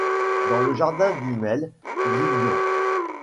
Dans le jardin du Mail, Grignan.